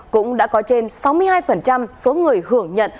cũng đã có trên sáu mươi hai số người hưởng nhận